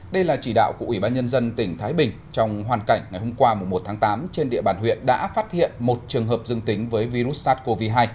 đây là chỉ đạo của ủy ban nhân dân tỉnh thái bình trong hoàn cảnh ngày hôm qua một tháng tám trên địa bàn huyện đã phát hiện một trường hợp dương tính với virus sars cov hai